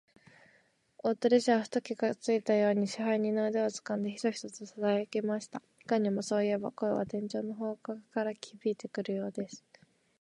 大鳥氏はふと気がついたように、支配人の腕をつかんで、ヒソヒソとささやきました。いかにも、そういえば、声は天井の方角からひびいてくるようです。